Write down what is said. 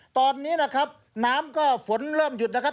ตอนนี้นะครับน้ำก็ฝนเริ่มหยุดนะครับ